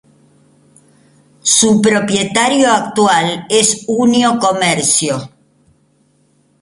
Su propietario actual es Unio Comercio.